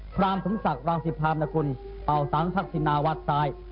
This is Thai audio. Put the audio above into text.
รามสมศักดิ์รังสิพรามนกุลเป่าสังทักษินาวัดซ้าย